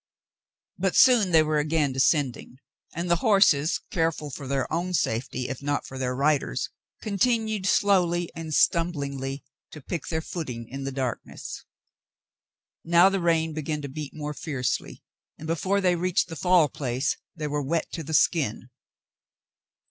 But soon they were again descending, and the horses, careful for their own safety if not for their riders', continued slowly and stumblingly to pick their footing in the darkness. 102 The Mountain Girl Now the rain began to beat more fiercely, and before they reached the Fall Place they were wet to the skin.